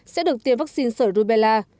sẽ được tiêm vaccine sởi rubella